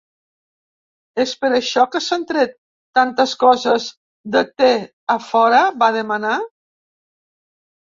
"És per això que s'han tret tantes coses de té a fora?" va demanar.